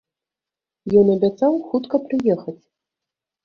Ён абяцаў хутка прыехаць.